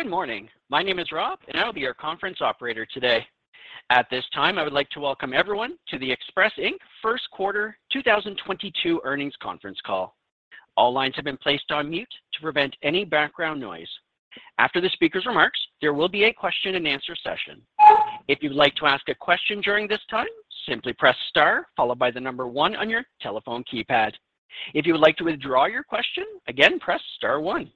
Good morning. My name is Rob, and I will be your conference operator today. At this time, I would like to welcome everyone to the Express, Inc. First Quarter 2022 earnings conference call. All lines have been placed on mute to prevent any background noise. After the speaker's remarks, there will be a question-and-answer session. If you'd like to ask a question during this time, simply press star followed by the number one on your telephone keypad. If you would like to withdraw your question, again, press star one.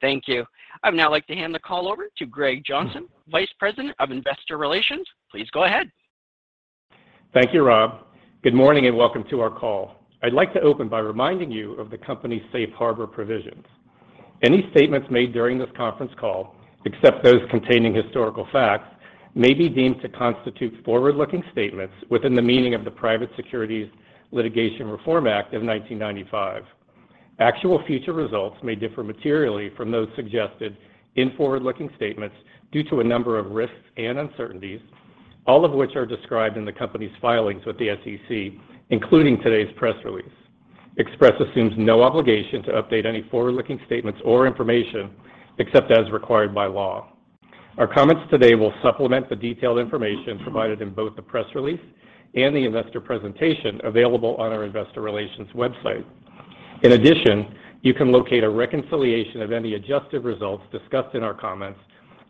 Thank you. I'd now like to hand the call over to Greg Johnson, Vice President of Investor Relations. Please go ahead. Thank you, Rob. Good morning, and welcome to our call. I'd like to open by reminding you of the company's safe harbor provisions. Any statements made during this conference call, except those containing historical facts, may be deemed to constitute forward-looking statements within the meaning of the Private Securities Litigation Reform Act of 1995. Actual future results may differ materially from those suggested in forward-looking statements due to a number of risks and uncertainties, all of which are described in the company's filings with the SEC, including today's press release. Express assumes no obligation to update any forward-looking statements or information except as required by law. Our comments today will supplement the detailed information provided in both the press release and the investor presentation available on our investor relations website. In addition, you can locate a reconciliation of any adjusted results discussed in our comments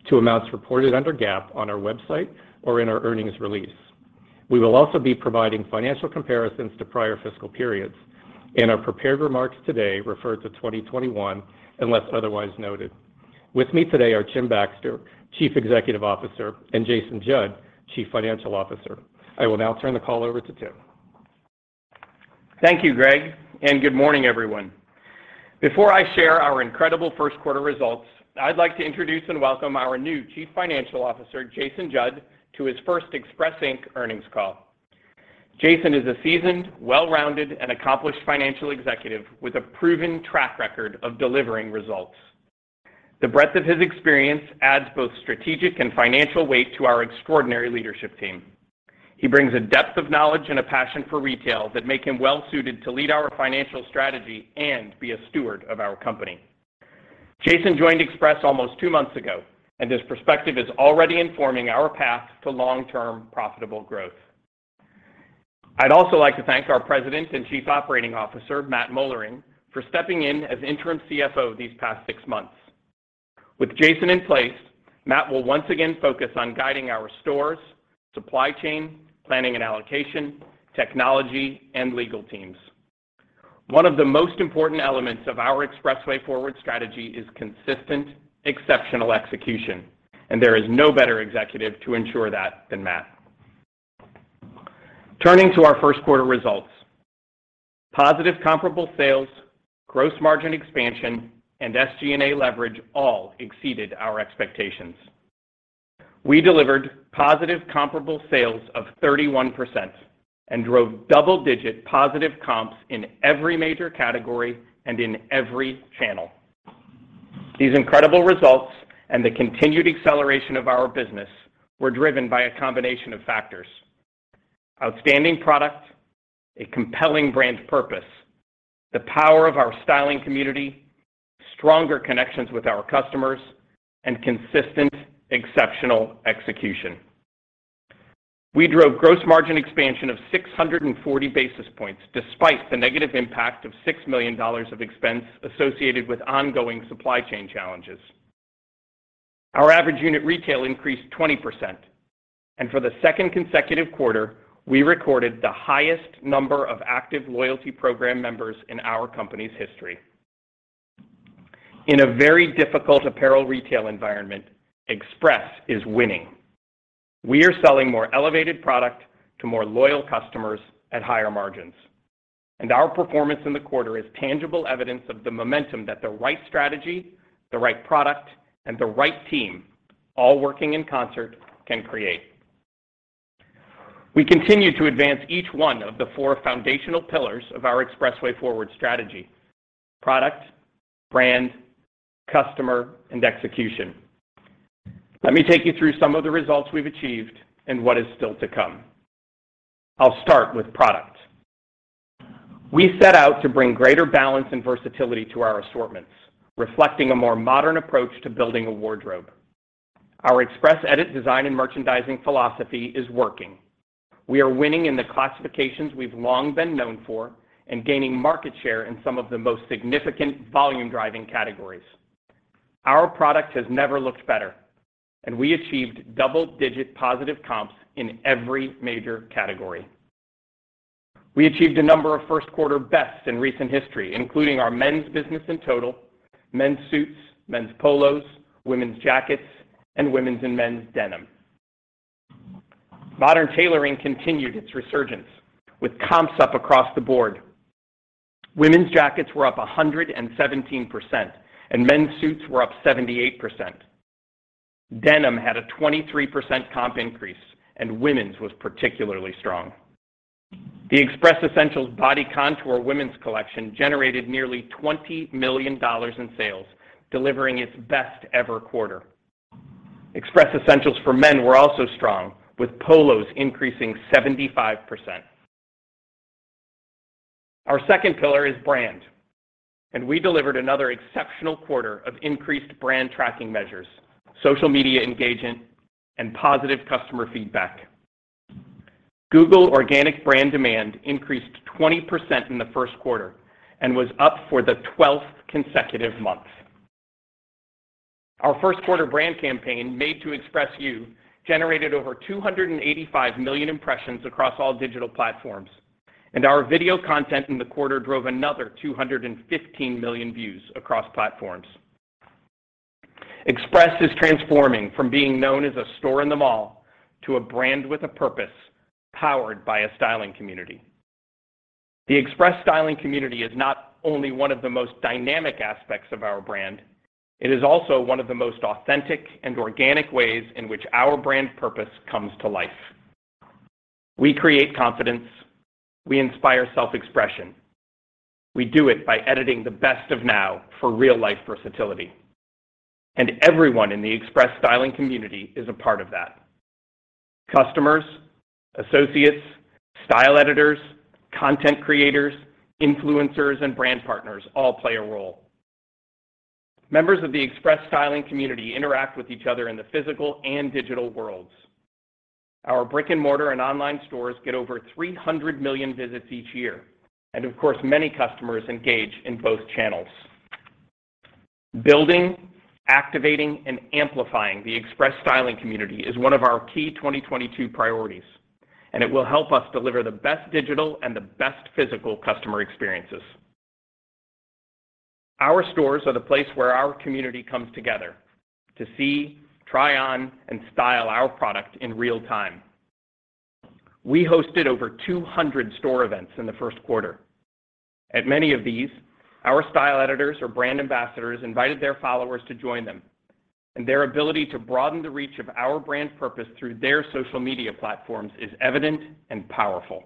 to amounts reported under GAAP on our website or in our earnings release. We will also be providing financial comparisons to prior fiscal periods, and our prepared remarks today refer to 2021 unless otherwise noted. With me today are Tim Baxter, Chief Executive Officer, and Jason Judd, Chief Financial Officer. I will now turn the call over to Tim. Thank you, Greg, and good morning, everyone. Before I share our incredible first-quarter results, I'd like to introduce and welcome our new Chief Financial Officer, Jason Judd, to his first Express, Inc. earnings call. Jason is a seasoned, well-rounded, and accomplished financial executive with a proven track record of delivering results. The breadth of his experience adds both strategic and financial weight to our extraordinary leadership team. He brings a depth of knowledge and a passion for retail that make him well-suited to lead our financial strategy and be a steward of our company. Jason joined Express almost two months ago, and his perspective is already informing our path to long-term profitable growth. I'd also like to thank our President and Chief Operating Officer, Matthew Moellering, for stepping in as interim CFO these past six months. With Jason in place, Matt will once again focus on guiding our stores, supply chain, planning and allocation, technology, and legal teams. One of the most important elements of our EXPRESSway Forward strategy is consistent, exceptional execution, and there is no better executive to ensure that than Matt. Turning to our first-quarter results, positive comparable sales, gross margin expansion, and SG&A leverage all exceeded our expectations. We delivered positive comparable sales of 31% and drove double-digit positive comps in every major category and in every channel. These incredible results and the continued acceleration of our business were driven by a combination of factors: outstanding product, a compelling brand purpose, the power of our styling community, stronger connections with our customers, and consistent, exceptional execution. We drove gross margin expansion of 640 basis points despite the negative impact of $6 million of expense associated with ongoing supply chain challenges. Our average unit retail increased 20%, and for the second consecutive quarter, we recorded the highest number of active loyalty program members in our company's history. In a very difficult apparel retail environment, Express is winning. We are selling more elevated product to more loyal customers at higher margins, and our performance in the quarter is tangible evidence of the momentum that the right strategy, the right product, and the right team, all working in concert, can create. We continue to advance each one of the four foundational pillars of our EXPRESSway Forward strategy: product, brand, customer, and execution. Let me take you through some of the results we've achieved and what is still to come. I'll start with product. We set out to bring greater balance and versatility to our assortments, reflecting a more modern approach to building a wardrobe. Our Express Edit design and merchandising philosophy is working. We are winning in the classifications we've long been known for and gaining market share in some of the most significant volume-driving categories. Our product has never looked better, and we achieved double-digit positive comps in every major category. We achieved a number of first-quarter bests in recent history, including our men's business in total, men's suits, men's polos, women's jackets, and women's and men's denim. Modern tailoring continued its resurgence with comps up across the board. Women's jackets were up 117%, and men's suits were up 78%. Denim had a 23% comp increase, and women's was particularly strong. The Express Essentials Body Contour women's collection generated nearly $20 million in sales, delivering its best-ever quarter. Express Essentials for men were also strong, with polos increasing 75%. Our second pillar is brand. We delivered another exceptional quarter of increased brand tracking measures, social media engagement, and positive customer feedback. Google organic brand demand increased 20% in the first quarter and was up for the 12th consecutive month. Our first quarter brand campaign, "Made to Express You," generated over 285 million impressions across all digital platforms. Our video content in the quarter drove another 215 million views across platforms. Express is transforming from being known as a store in the mall to a brand with a purpose powered by a styling community. The Express styling community is not only one of the most dynamic aspects of our brand, it is also one of the most authentic and organic ways in which our brand purpose comes to life. We create confidence; we inspire self-expression. We do it by editing the best of now for real-life versatility. Everyone in the Express styling community is a part of that. Customers, associates, style editors, content creators, influencers, and brand partners all play a role. Members of the Express styling community interact with each other in the physical and digital worlds. Our brick-and-mortar and online stores get over 300 million visits each year. Of course, many customers engage in both channels. Building, activating, and amplifying the Express styling community is one of our key 2022 priorities, and it will help us deliver the best digital and the best physical customer experiences. Our stores are the place where our community comes together to see, try on, and style our products in real time. We hosted over 200 store events in the first quarter. At many of these, our style editors or brand ambassadors invited their followers to join them, and their ability to broaden the reach of our brand's purpose through their social media platforms is evident and powerful.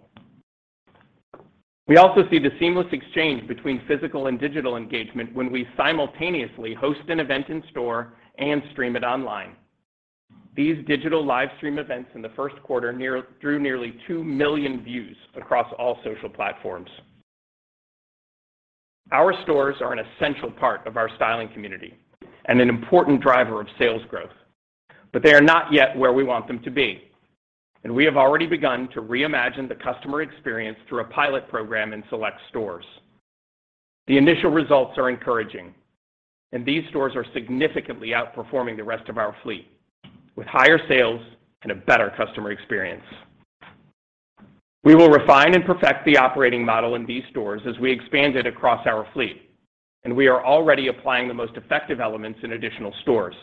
We also see the seamless exchange between physical and digital engagement when we simultaneously host an event in-store and stream it online. These digital live stream events in the first quarter drew nearly 2 million views across all social platforms. Our stores are an essential part of our styling community and an important driver of sales growth, but they are not yet where we want them to be. We have already begun to reimagine the customer experience through a pilot program in select stores. The initial results are encouraging, and these stores are significantly outperforming the rest of our fleet with higher sales and a better customer experience. We will refine and perfect the operating model in these stores as we expand it across our fleet, and we are already applying the most effective elements in additional stores.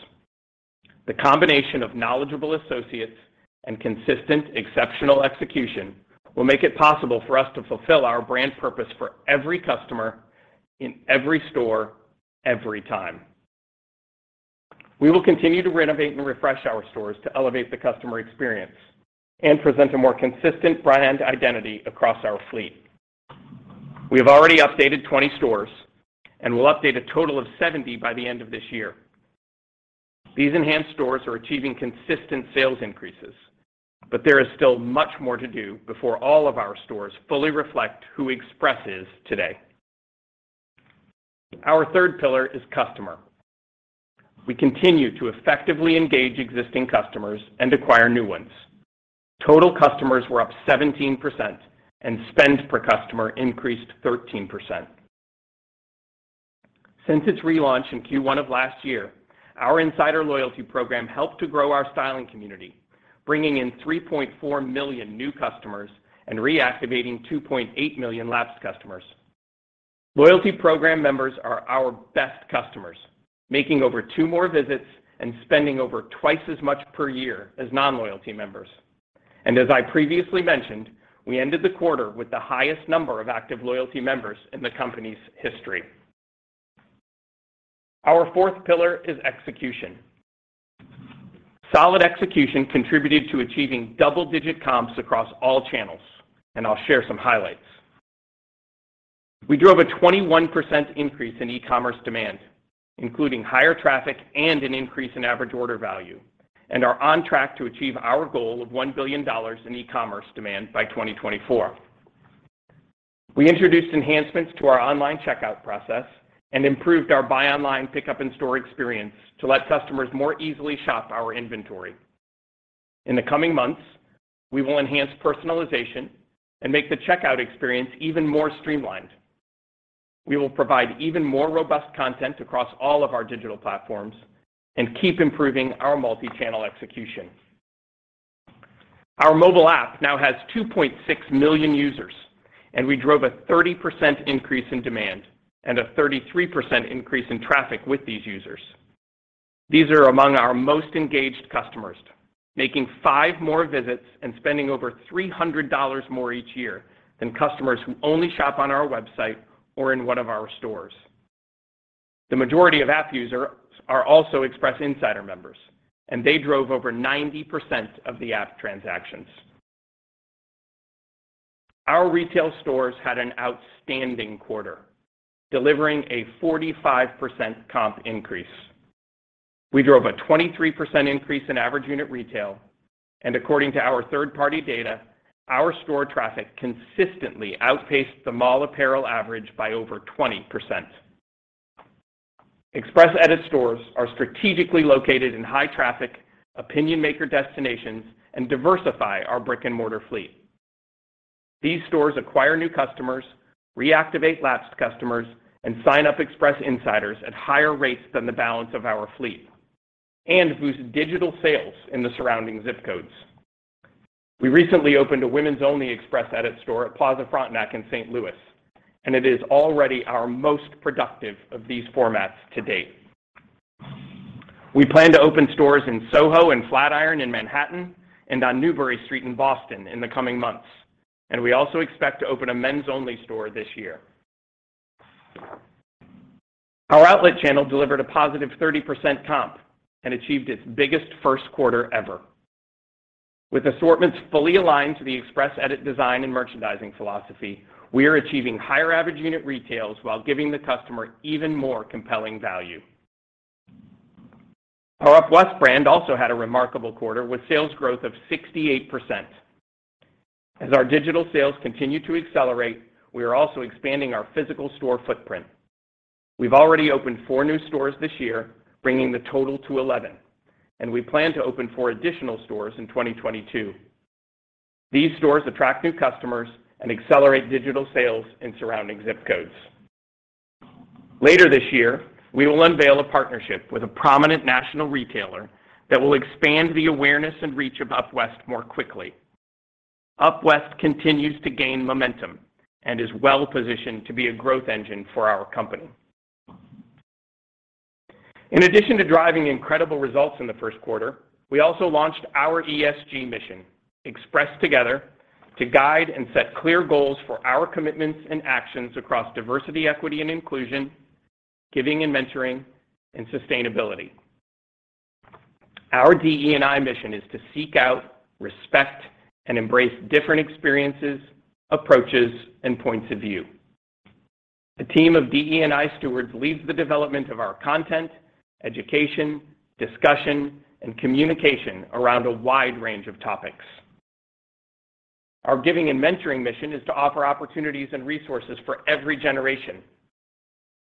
The combination of knowledgeable associates and consistent exceptional execution will make it possible for us to fulfill our brand purpose for every customer in every store, every time. We will continue to renovate and refresh our stores to elevate the customer experience and present a more consistent brand identity across our fleet. We have already updated 20 stores and will update a total of 70 by the end of this year. These enhanced stores are achieving consistent sales increases, but there is still much more to do before all of our stores fully reflect who Express is today. Our third pillar is the customer. We continue to effectively engage existing customers and acquire new ones. Total customers were up 17%, and spend per customer increased 13%. Since its relaunch in Q1 of last year, our Express Insider loyalty program has helped to grow our styling community, bringing in 3.4 million new customers and reactivating 2.8 million lapsed customers. Loyalty program members are our best customers, making over 2 more visits and spending over twice as much per year as non-loyalty members. As I previously mentioned, we ended the quarter with the highest number of active loyalty members in the company's history. Our fourth pillar is execution. Solid execution contributed to achieving double-digit comps across all channels, and I'll share some highlights. We drove a 21% increase in e-commerce demand, including higher traffic and an increase in average order value, and are on track to achieve our goal of $1 billion in e-commerce demand by 2024. We introduced enhancements to our online checkout process and improved our buy online pickup in-store experience to let customers more easily shop our inventory. In the coming months, we will enhance personalization and make the checkout experience even more streamlined. We will provide even more robust content across all of our digital platforms and keep improving our multi-channel execution. Our mobile app now has 2.6 million users, and we drove a 30% increase in demand and a 33% increase in traffic with these users. These are among our most engaged customers, making 5 more visits and spending over $300 more each year than customers who only shop on our website or in one of our stores. The majority of app users are also Express Insider members, and they drove over 90% of the app transactions. Our retail stores had an outstanding quarter, delivering a 45% comparable increase. We drove a 23% increase in average unit retail, and according to our third-party data, our store traffic consistently outpaced the mall apparel average by over 20%. Express Edit stores are strategically located in high-traffic, opinion-maker destinations and diversify our brick-and-mortar fleet. These stores acquire new customers, reactivate lapsed customers, and sign up Express Insiders at higher rates than the balance of our fleet, and boost digital sales in the surrounding zip codes. We recently opened a women's-only Express Edit store at Plaza Frontenac in St. Louis, and it is already our most productive of these formats to date. We plan to open stores in Soho and Flatiron in Manhattan and on Newbury Street in Boston in the coming months. We also expect to open a men's-only store this year. Our outlet channel delivered a positive 30% comp and achieved its biggest first quarter ever. With assortments fully aligned with the Express Edit design and merchandising philosophy, we are achieving higher average unit retails while giving the customer even more compelling value. Our UpWest brand also had a remarkable quarter with sales growth of 68%. As our digital sales continue to accelerate, we are also expanding our physical store footprint. We've already opened four new stores this year, bringing the total to 11, and we plan to open four additional stores in 2022. These stores attract new customers and accelerate digital sales in surrounding zip codes. Later this year, we will unveil a partnership with a prominent national retailer that will expand the awareness and reach of UpWest more quickly. UpWest continues to gain momentum and is well-positioned to be a growth engine for our company. In addition to driving incredible results in the first quarter, we also launched our ESG mission, Express Together, to guide and set clear goals for our commitments and actions across diversity, equity, and inclusion, giving and mentoring, and sustainability. Our DE&I mission is to seek out, respect, and embrace different experiences, approaches, and points of view. A team of DE&I stewards leads the development of our content, education, discussions, and communication around a wide range of topics. Our giving and mentoring mission is to offer opportunities and resources for every generation.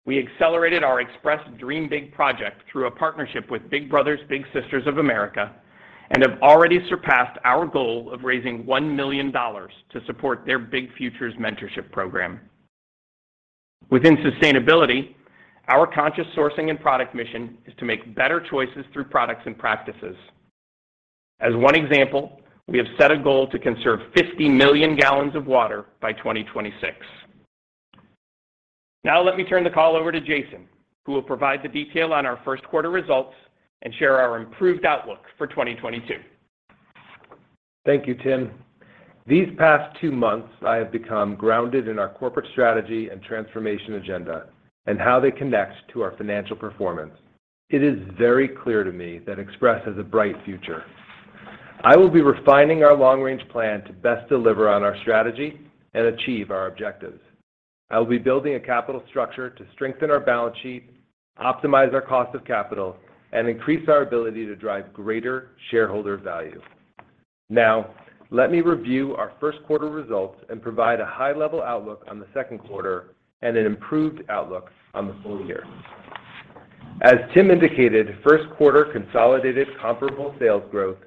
We accelerated our Express Dream Big Project through a partnership with Big Brothers Big Sisters of America and have already surpassed our goal of raising $1 million to support their Big Futures mentorship program. Within sustainability, our conscious sourcing and product mission is to make better choices through products and practices. As one example, we have set a goal to conserve 50 million gallons of water by 2026. Now let me turn the call over to Jason, who will provide the details on our first-quarter results and share our improved outlook for 2022. Thank you, Tim. These past two months, I have become grounded in our corporate strategy and transformation agenda and how they connect to our financial performance. It is very clear to me that Express has a bright future. I will be refining our long-range plan to best deliver on our strategy and achieve our objectives. I will be building a capital structure to strengthen our balance sheet, optimize our cost of capital, and increase our ability to drive greater shareholder value. Now, let me review our first-quarter results and provide a high-level outlook on the second quarter and an improved outlook on the full year. As Tim indicated, first-quarter consolidated comparable sales growth,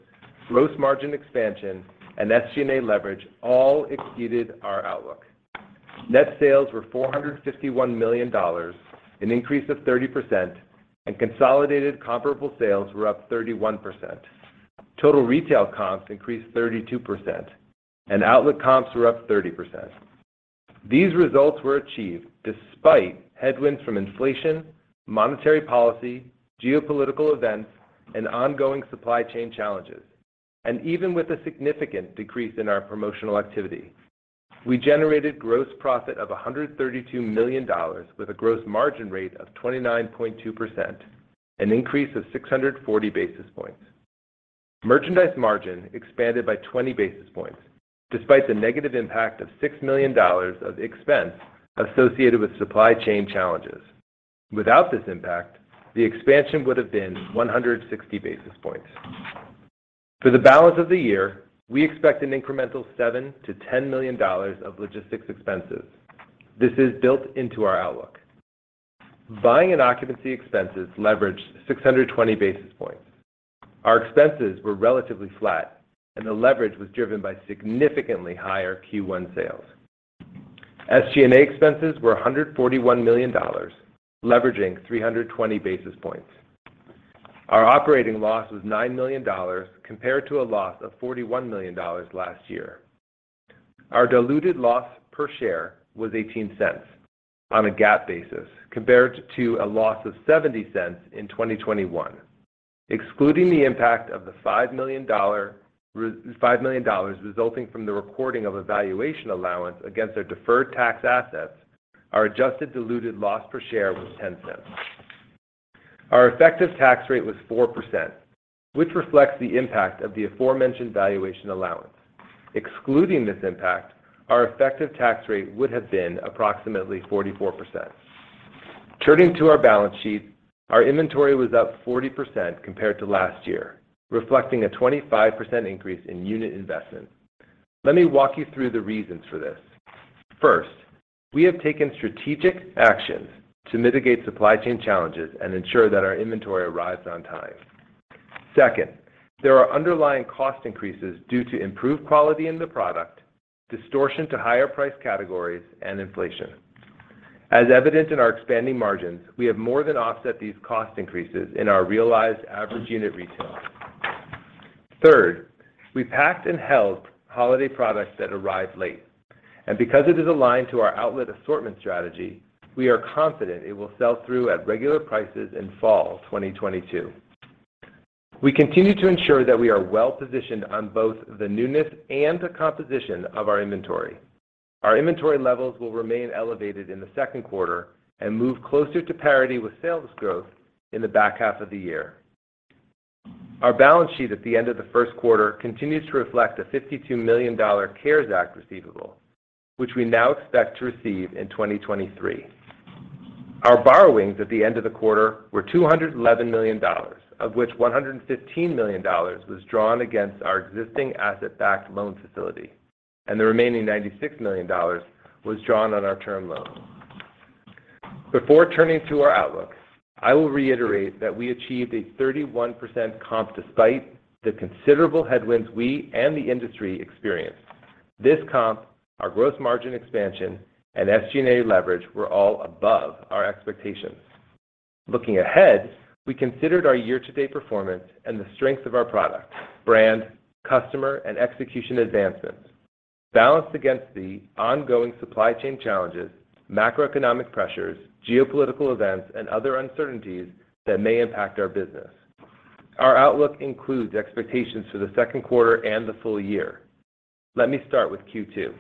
gross margin expansion, and SG&A leverage all exceeded our outlook. Net sales were $451 million, an increase of 30%, and consolidated comparable sales were up 31%. Total retail comps increased 32%, and outlet comps were up 30%. These results were achieved despite headwinds from inflation, monetary policy, geopolitical events, and ongoing supply chain challenges. Even with a significant decrease in our promotional activity, we generated gross profit of $132 million with a gross margin rate of 29.2%, an increase of 640 basis points. Merchandise margin expanded by 20 basis points despite the negative impact of $6 million of expense associated with supply chain challenges. Without this impact, the expansion would have been 160 basis points. For the balance of the year, we expect an incremental $7 million-$10 million of logistics expenses. This is built into our outlook. Buying and occupancy expenses leveraged 620 basis points. Our expenses were relatively flat, and the leverage was driven by significantly higher Q1 sales. SG&A expenses were $141 million, leveraging 320 basis points. Our operating loss was $9 million compared to a loss of $41 million last year. Our diluted loss per share was $0.18 on a GAAP basis compared to a loss of $0.70 in 2021. Excluding the impact of the $5 million resulting from the recording of a valuation allowance against our deferred tax assets, our adjusted diluted loss per share was $0.10. Our effective tax rate was 4%, which reflects the impact of the aforementioned valuation allowance. Excluding this impact, our effective tax rate would have been approximately 44%. Turning to our balance sheet, our inventory was up 40% compared to last year, reflecting a 25% increase in unit investments. Let me walk you through the reasons for this. First, we have taken strategic actions to mitigate supply chain challenges and ensure that our inventory arrives on time. Second, there are underlying cost increases due to improved quality in the product, distortion to higher price categories, and inflation. As is evident in our expanding margins, we have more than offset these cost increases in our realized average unit retail. Third, we packed and held holiday products that arrived late, and because it is aligned with our outlet assortment strategy, we are confident it will sell through at regular prices in fall 2022. We continue to ensure that we are well-positioned on both the newness and the composition of our inventory. Our inventory levels will remain elevated in the second quarter and move closer to parity with sales growth in the latter half of the year. Our balance sheet at the end of the first quarter continues to reflect a $52 million CARES Act receivable, which we now expect to receive in 2023. Our borrowings at the end of the quarter were $211 million, of which $115 million was drawn against our existing asset-backed loan facility, and the remaining $96 million was drawn on our term loan. Before turning to our outlook, I will reiterate that we achieved a 31% comparable store sales increase despite the considerable headwinds we and the industry experienced. This comparable store sales increase, our gross margin expansion, and selling, general, and administrative expense leverage were all above our expectations. Looking ahead, we considered our year-to-date performance and the strength of our product, brand, customer, and execution advancements, balanced against the ongoing supply chain challenges, macroeconomic pressures, geopolitical events, and other uncertainties that may impact our business. Our outlook includes expectations for the second quarter and the full year. Let me start with Q2.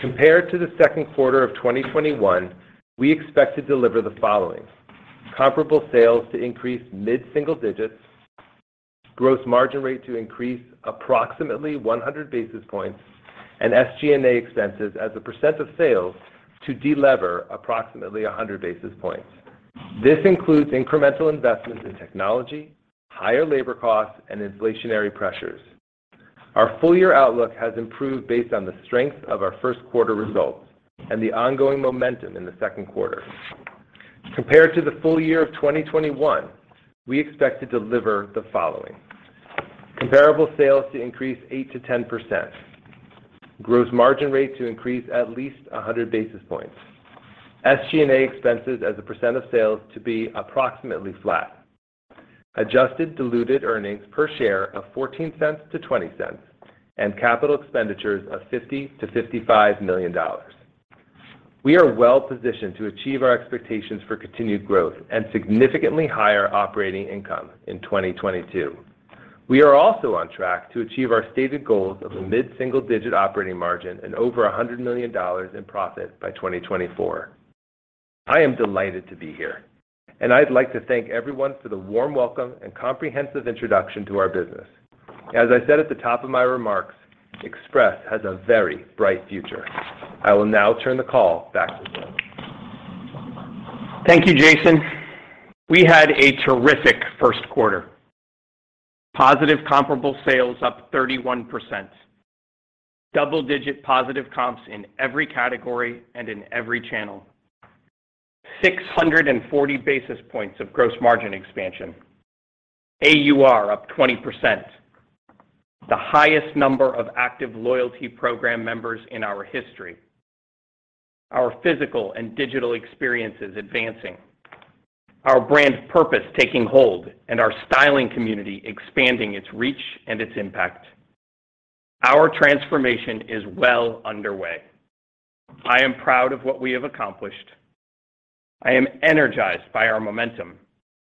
Compared to the second quarter of 2021, we expect to deliver the following: comparable sales to increase mid-single digits, gross margin rate to increase approximately 100 basis points, and SG&A expenses as a percent of sales to delever approximately 100 basis points. This includes incremental investments in technology, higher labor costs, and inflationary pressures. Our full-year outlook has improved based on the strength of our first-quarter results and the ongoing momentum in the second quarter. Compared to the full year of 2021, we expect to deliver the following: Comparable sales are expected to increase by 8%-10%. The gross margin rate is projected to increase by at least 100 basis points. SG&A expenses as a percentage of sales are anticipated to remain approximately flat. Adjusted diluted earnings per share are estimated to be $0.14-$0.20, and capital expenditures are expected to be $50-$55 million. We are well-positioned to achieve our expectations for continued growth and significantly higher operating income in 2022. We are also on track to achieve our stated goals of a mid-single-digit operating margin and over $100 million in profit by 2024. I am delighted to be here, and I'd like to thank everyone for the warm welcome and comprehensive introduction to our business. As I said at the top of my remarks, Express has a very bright future. I will now turn the call back to Tim. Thank you, Jason. We had a terrific first quarter: positive comparable sales up 31%, double-digit positive comps in every category and in every channel, 640 basis points of gross margin expansion, AUR up 20%, the highest number of active loyalty program members in our history, our physical and digital experiences advancing, our brand purpose taking hold, and our styling community expanding its reach and impact. Our transformation is well underway. I am proud of what we have accomplished. I am energized by our momentum,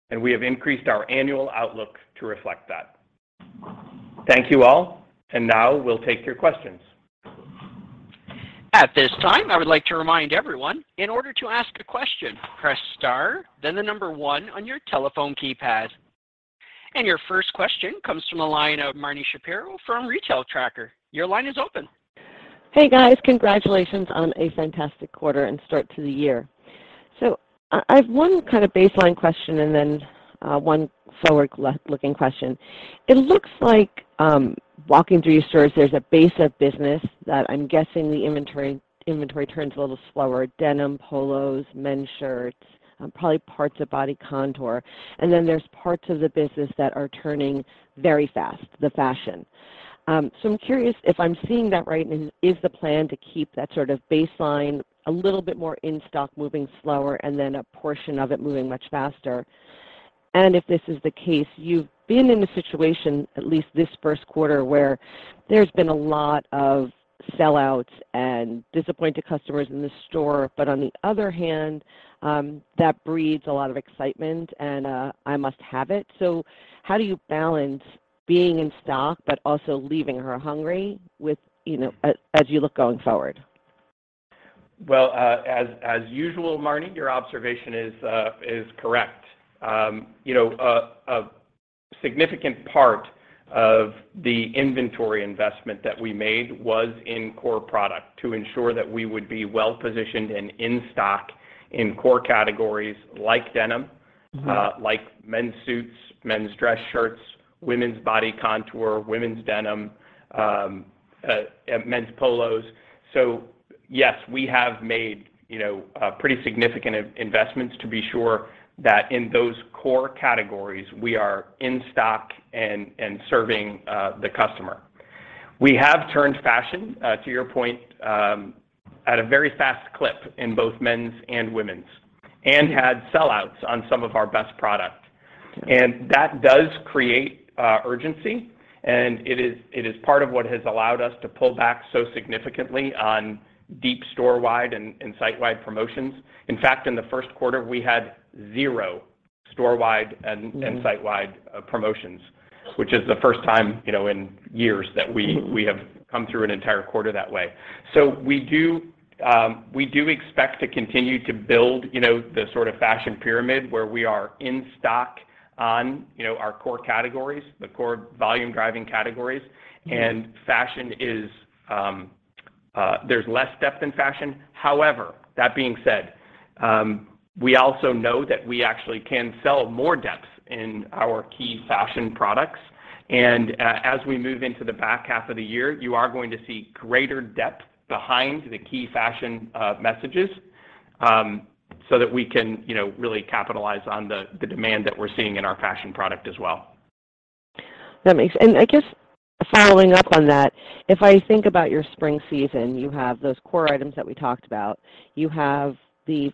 and we have increased our annual outlook to reflect that. Thank you all, and now we'll take your questions. At this time, I would like to remind everyone that in order to ask a question, press star, then the number one on your telephone keypad. Your first question comes from the line of Marni Shapiro from The Retail Tracker. Your line is open. Hey, guys. Congratulations on a fantastic quarter and start to the year. I have one kind of baseline question and then one forward-looking question. It looks like, walking through your stores, there's a base of business that I'm guessing the inventory turns a little slower: denim, polos, men's shirts, probably parts of Body Contour. And then there are parts of the business that are turning very fast, the fashion. I'm curious if I'm seeing that right, and is the plan to keep that sort of baseline a little bit more in stock, moving slower, and then a portion of it moving much faster? If this is the case, you've been in a situation, at least this first quarter, where there's been a lot of sellouts and disappointed customers in the store. On the other hand, that breeds a lot of excitement, and I must have it. How do you balance being in stock but also leaving her hungry, as you look going forward? Well, as usual, Marni, your observation is correct. You know, a significant part of the inventory investment that we made was in core product to ensure that we would be well-positioned and in stock in core categories like denim. Mm-hmm Like men's suits, men's dress shirts, women's Body Contour, women's denim, and men's polos. Yes, we have made, you know, pretty significant investments to be sure that in those core categories we are in stock and serving the customer. We have turned fashion, to your point, at a very fast clip in both men's and women's, and had sellouts on some of our best products. Okay. Mm-hmm Sitewide promotions, which is the first time, you know, in years that we have come through an entire quarter that way. We do expect to continue to build, you know, the sort of fashion pyramid where we are in stock on, you know, our core categories, the core volume-driving categories. Mm-hmm. Fashion is. There's less depth in fashion. However, that being said, we also know that we actually can sell more depth in our key fashion products. As we move into the back half of the year, you are going to see greater depth behind the key fashion messages so that we can, you know, really capitalize on the demand that we're seeing in our fashion product as well. I guess following up on that, if I think about your spring season, you have those core items that we talked about. You have the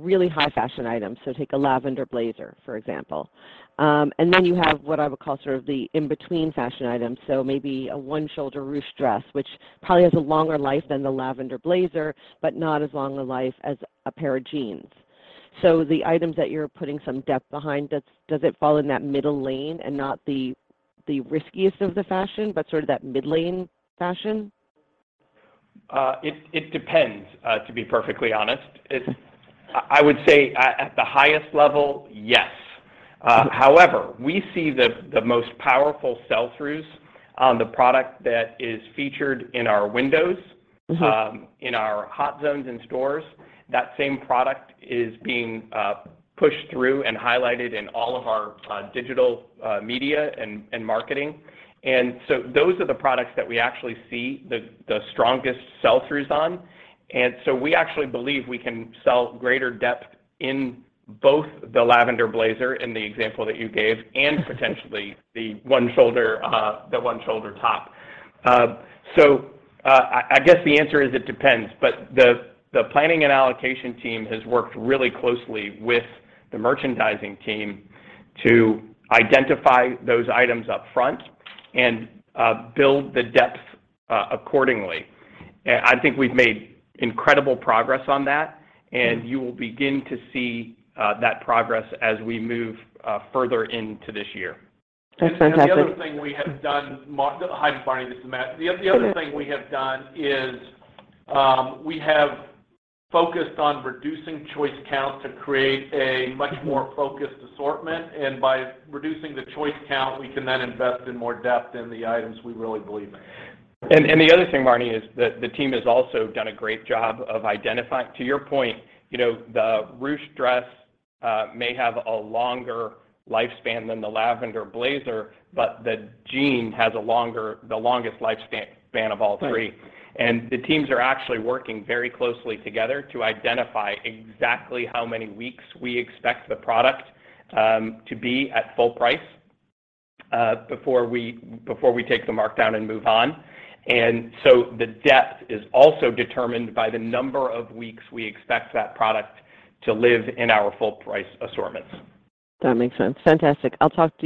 really high fashion items, so take a lavender blazer, for example. Then you have what I would call sort of the in-between fashion items, so maybe a one-shoulder ruched dress, which probably has a longer life than the lavender blazer, but not as long a life as a pair of jeans. The items that you're putting some depth behind, do they fall in that middle lane and not the riskiest of the fashion, but sort of that mid-lane fashion? It depends, to be perfectly honest. I would say, at the highest level, yes. However, we see the most powerful sell-throughs on the product that is featured in our windows. Mm-hmm In our hot zones in stores, that same product is being pushed through and highlighted in all of our digital media and marketing. Those are the products that we actually see the strongest sell-throughs on. We actually believe we can sell greater depth in both the lavender blazer, in the example that you gave, and potentially the one-shoulder top. I guess the answer is it depends, but the planning and allocation team has worked really closely with the merchandising team to identify those items up front and build the depth accordingly. I think we've made incredible progress on that. Mm-hmm You will begin to see that progress as we move further into this year. That's fantastic. The other thing we have done. Hi, Marni. This is Matt. Hey, Matt. The other thing we have done is, we have focused on reducing the choice count to create a much more focused assortment, and by reducing the choice count, we can then invest in more depth in the items we really believe in. The other thing, Marni, is the team has also done a great job of identifying. To your point, you know, the ruched dress may have a longer lifespan than the lavender blazer, but the jeans have the longest lifespan of all three. Right. The teams are working very closely together to identify exactly how many weeks we expect the product to be at full price before we take the markdown and move on. The depth is also determined by the number of weeks we expect that product to live in our full-price assortments. That makes sense. Fantastic. I'll take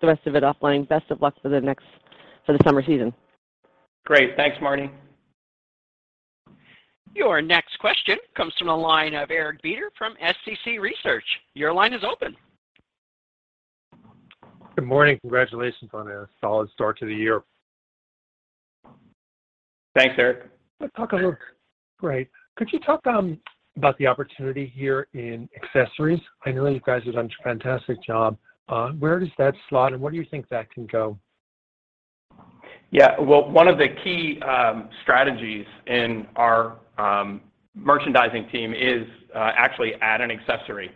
the rest of it offline. Best of luck for the summer season. Great. Thanks, Marni. Your next question comes from Eric Beder of SCC Research. Your line is open. Good morning. Congratulations on a solid start to the year. Thanks, Eric. Let's talk a little. Great. Could you talk about the opportunity here in accessories? I know you guys have done a fantastic job. Where does that slot in, and where do you think that can go? Yeah. Well, one of the key strategies in our merchandising team is actually adding accessories.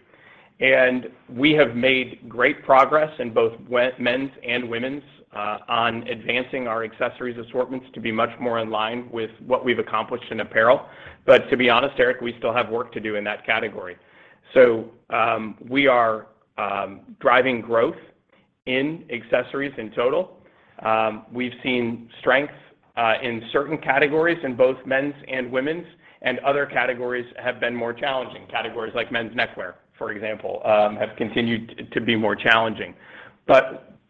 We have made great progress in both men's and women's on advancing our accessories assortments to be much more in line with what we've accomplished in apparel. To be honest, Eric, we still have work to do in that category. We are driving growth in accessories in total. We've seen strength in certain categories in both men's and women's, and other categories have been more challenging. Categories like men's neckwear, for example, have continued to be more challenging.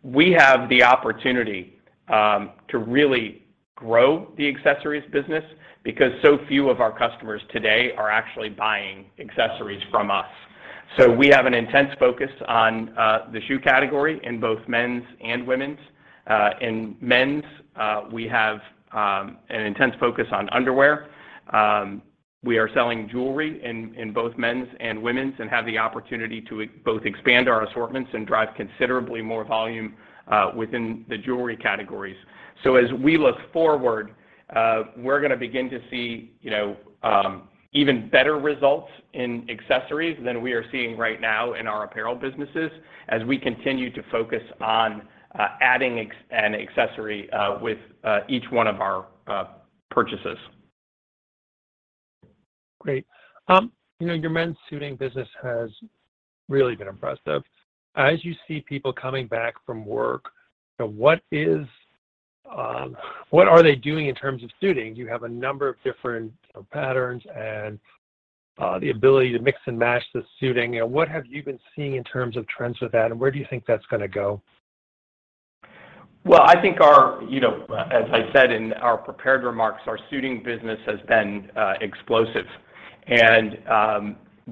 We have the opportunity to really grow the accessories business because so few of our customers today are actually buying accessories from us. We have an intense focus on the shoe category in both men's and women's. In men's, we have an intense focus on underwear. We are selling jewelry in both men's and women's and have the opportunity to expand our assortments and drive considerably more volume within the jewelry categories. As we look forward, we're going to begin to see even better results in accessories than we are seeing right now in our apparel businesses as we continue to focus on adding an accessory with each of our purchases. Great. You know, your men's suiting business has really been impressive. As you see people coming back to work, what are they doing in terms of suiting? You have a number of different patterns and the ability to mix and match the suiting. You know, what have you been seeing in terms of trends with that, and where do you think that's going to go? Well, I think, as I said in our prepared remarks, our suiting business has been explosive.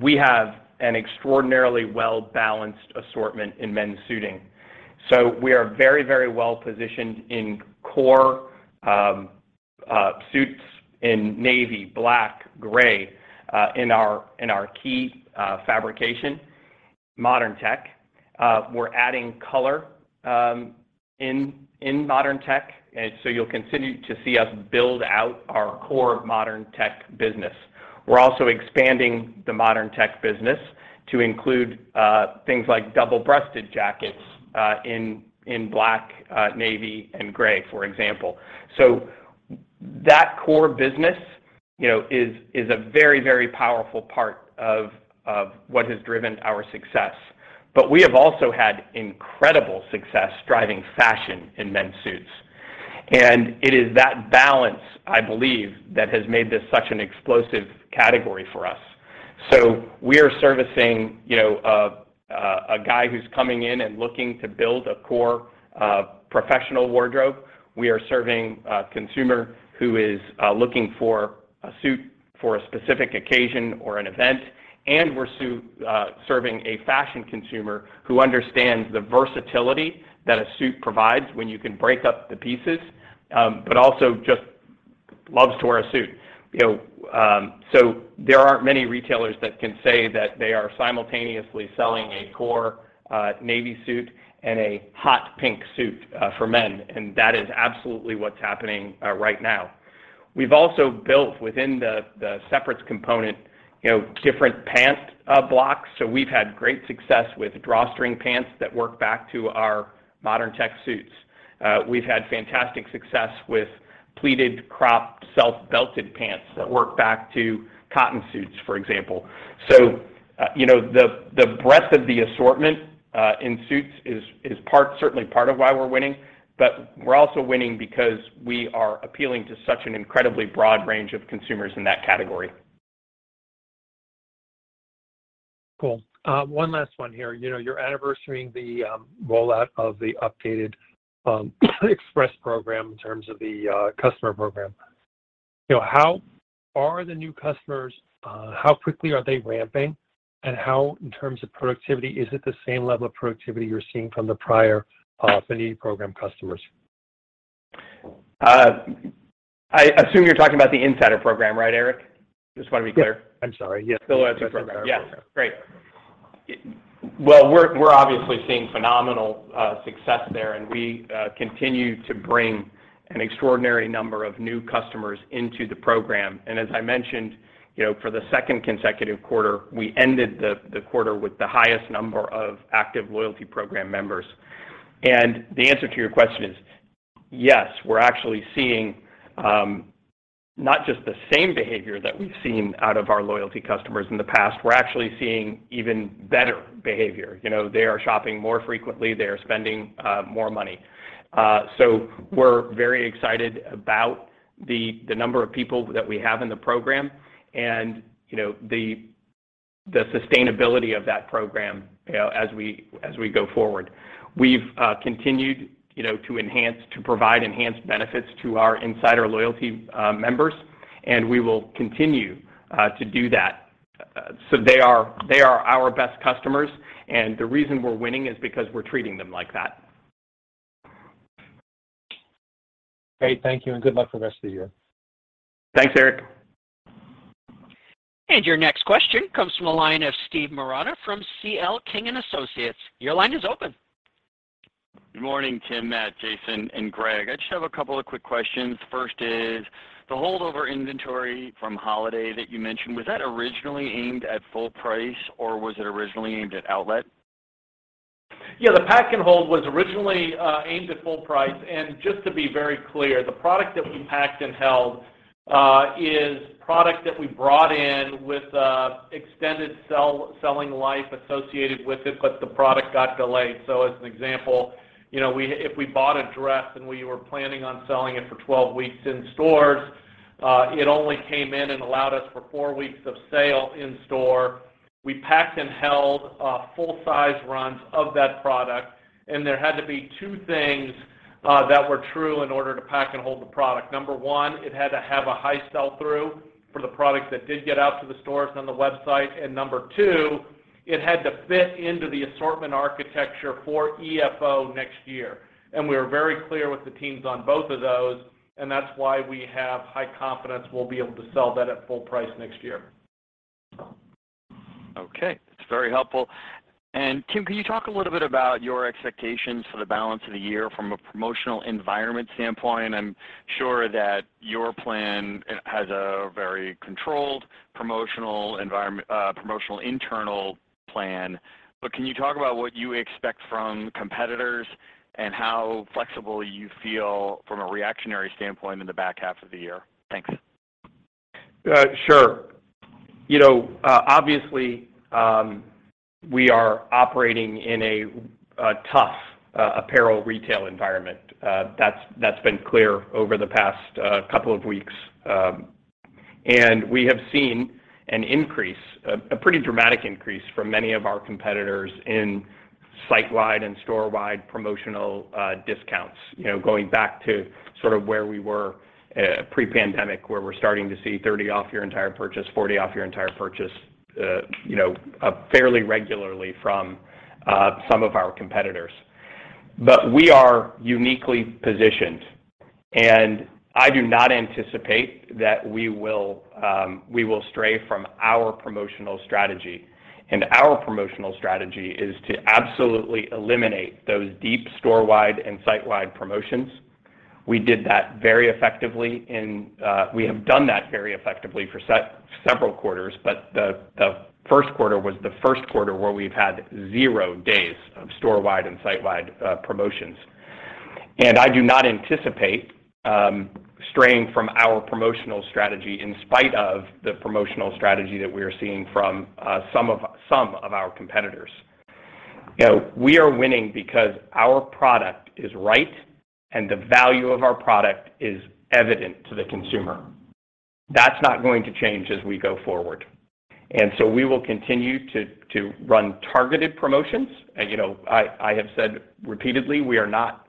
We have an extraordinarily well-balanced assortment in men's suiting. We are very, very well-positioned in core suits in navy, black, and gray in our key fabrication, Modern Tech. We're adding color in Modern Tech. You'll continue to see us build out our core Modern Tech business. We're also expanding the Modern Tech business to include things like double-breasted jackets in black, navy, and gray, for example. That core business is a very, very powerful part of what has driven our success. We have also had incredible success driving fashion in men's suits. It is that balance, I believe, that has made this such an explosive category for us. We are servicing, you know, a guy who's coming in and looking to build a core professional wardrobe. We are serving a consumer who is looking for a suit for a specific occasion or an event. We're serving a fashion consumer who understands the versatility that a suit provides when you can break up the pieces, but also just loves to wear a suit. You know, there aren't many retailers that can say that they are simultaneously selling a core navy suit and a hot pink suit for men, and that is absolutely what's happening right now. We've also built within the separates component, you know, different pant blocks. We've had great success with drawstring pants that work back to our Modern Tech suits. We've had fantastic success with pleated, cropped, self-belted pants that work back to cotton suits, for example. You know, the breadth of the assortment in suits is certainly part of why we're winning. We're also winning because we are appealing to such an incredibly broad range of consumers in that category. Cool. One last one here. You know, you're celebrating the anniversary of the rollout of the updated Express program in terms of the customer program. You know, how many new customers are there, how quickly are they ramping up? In terms of productivity, is it the same level of productivity you're seeing from the prior affinity program customers? I assume you're talking about the Insider program, right, Eric? I just want to be clear. Yeah. I'm sorry. Yes. The loyalty program. The Insider program. Yes. Great. Well, we're obviously seeing phenomenal success there, and we continue to bring an extraordinary number of new customers into the program. As I mentioned, for the second consecutive quarter, we ended the quarter with the highest number of active loyalty program members. The answer to your question is yes, we're actually seeing not just the same behavior that we've seen out of our loyalty customers in the past. We're actually seeing even better behavior. They are shopping more frequently. They are spending more money. We're very excited about the number of people that we have in the program and the sustainability of that program as we go forward. We've continued, you know, to enhance, to provide enhanced benefits to our Insider loyalty members, and we will continue to do that. They are our best customers, and the reason we're winning is because we're treating them like that. Great. Thank you, and good luck for the rest of the year. Thanks, Eric. Your next question comes from the line of Steve Marotta from C.L. King & Associates. Your line is open. Good morning, Tim, Matt, Jason, and Greg. I just have a couple of quick questions. First, the holdover inventory from the holiday that you mentioned, was that originally aimed at full price, or was it originally aimed at the outlet? Yeah, the pack and hold was originally aimed at full price. Just to be very clear, the product that we packed and held is product that we brought in with extended selling life associated with it, but the product got delayed. As an example, you know, if we bought a dress and we were planning on selling it for 12 weeks in stores, it only came in and allowed us 4 weeks of sale in store. We packed and held full-size runs of that product. There had to be two things that were true in order to pack and hold the product. Number one, it had to have a high sell-through for the products that did get out to the stores on the website. Number two, it had to fit into the assortment architecture for EFO next year. We were very clear with the teams on both of those, and that's why we have high confidence we'll be able to sell that at full price next year. Okay. That's very helpful. Tim, can you talk a little bit about your expectations for the balance of the year from a promotional environment standpoint? I'm sure that your plan has a very controlled promotional internal plan. Can you talk about what you expect from competitors and how flexible you feel from a reactionary standpoint in the back half of the year? Thanks. Sure. You know, obviously, we are operating in a tough apparel retail environment. That's been clear over the past couple of weeks. We have seen an increase, a pretty dramatic increase from many of our competitors in site-wide and store-wide promotional discounts. You know, going back to sort of where we were pre-pandemic, we're starting to see 30% off your entire purchase, 40% off your entire purchase, you know, fairly regularly from some of our competitors. We are uniquely positioned, and I do not anticipate that we will stray from our promotional strategy. Our promotional strategy is to absolutely eliminate those deep store-wide and site-wide promotions. We have done that very effectively for several quarters, but the first quarter was the first quarter where we've had zero days of store-wide and site-wide promotions. I do not anticipate straying from our promotional strategy in spite of the promotional strategy that we are seeing from some of our competitors. You know, we are winning because our product is right and the value of our product is evident to the consumer. That's not going to change as we go forward. We will continue to run targeted promotions. You know, I have said repeatedly, we are not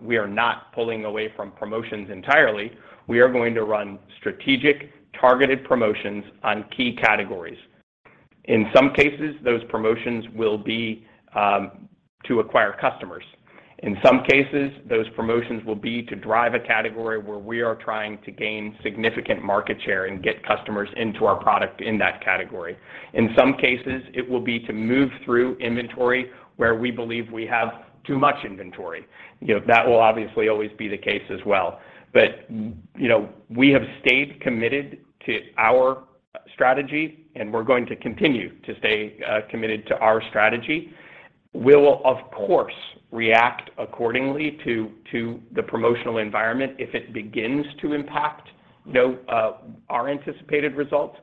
pulling away from promotions entirely. We are going to run strategic, targeted promotions on key categories. In some cases, those promotions will be to acquire customers. In some cases, those promotions will be to drive a category where we are trying to gain significant market share and get customers into our product in that category. In some cases, it will be to move through inventory where we believe we have too much inventory. That will obviously always be the case as well. We have stayed committed to our strategy, and we're going to continue to stay committed to our strategy. We'll, of course, react accordingly to the promotional environment if it begins to impact our anticipated results.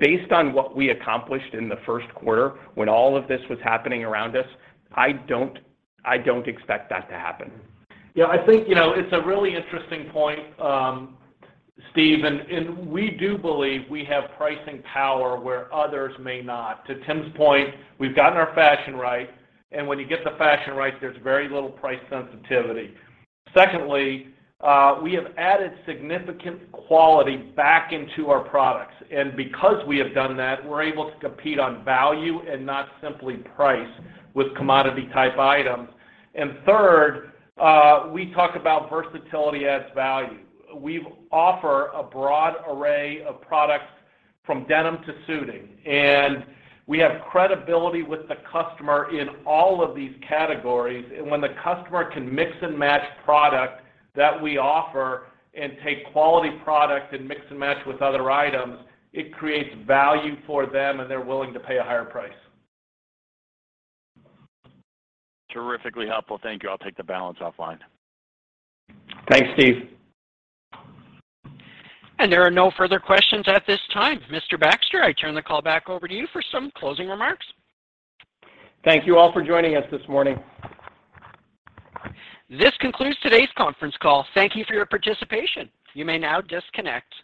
Based on what we accomplished in the first quarter when all of this was happening around us, I don't expect that to happen. Yeah, I think, you know, it's a really interesting point, Steve, and we do believe we have pricing power where others may not. To Tim's point, we've gotten our fashion right, and when you get the fashion right, there's very little price sensitivity. Secondly, we have added significant quality back into our products. Because we have done that, we're able to compete on value and not simply on price with commodity-type items. Third, we talk about versatility adds value. We offer a broad array of products from denim to suiting, and we have credibility with the customer in all of these categories. When the customer can mix and match products that we offer and take quality products and mix and match with other items, it creates value for them, and they're willing to pay a higher price. Terrifically helpful. Thank you. I'll take the balance offline. Thanks, Steve. There are no further questions at this time. Mr. Baxter, I'll turn the call back over to you for some closing remarks. Thank you all for joining us this morning. This concludes today's conference call. Thank you for your participation. You may now disconnect.